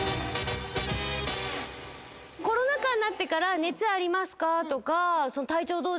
コロナ禍になってから熱ありますか？とか体調どうですか？